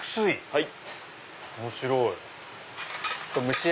はい。